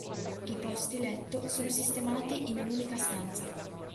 I posti letto sono sistemati in un'unica stanza.